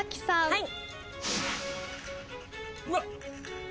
はい。